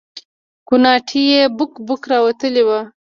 کوناټي يې بوک بوک راوتلي وو.